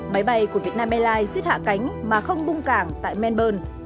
máy bay của việt nam airlines suýt hạ cánh mà không bung cảng tại melbourne